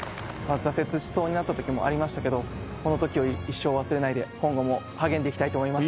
挫折しそうになったときもありましたけどこのときを一生忘れないで今後も励んでいきたいと思います